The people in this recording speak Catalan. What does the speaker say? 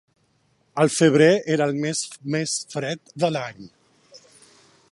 El febrer era el mes més fred de l'any.